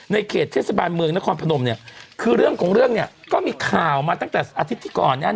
เขตเทศบาลเมืองนครพนมเนี่ยคือเรื่องของเรื่องเนี่ยก็มีข่าวมาตั้งแต่อาทิตย์ที่ก่อนเนี่ย